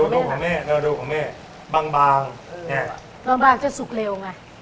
ดูของแม่ดูของแม่บางบางบางบางจะสุกเร็วไง